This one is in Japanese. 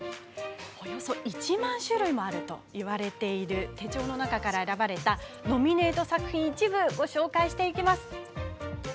およそ１万種類あるといわれる手帳の中から選ばれたノミネート作品、一部をご紹介しましょう。